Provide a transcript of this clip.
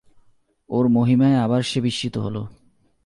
ওর মহিমায় আবার সে বিস্মিত হল।